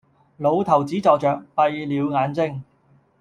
老頭子坐着，閉了眼睛，